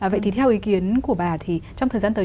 vậy thì theo ý kiến của bà thì trong thời gian tới